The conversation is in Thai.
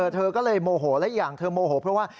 เธอก็เลยโมโหและอีกอย่างเธอโมโหเพราะว่า